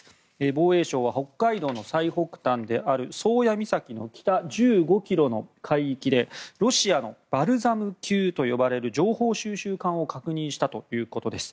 防衛省は北海道の最北端である宗谷岬の北１５ｋｍの海域でロシアのバルザム級と呼ばれる情報収集艦を確認したということです。